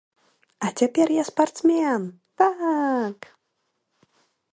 А цяпер я спартсмен, так!!!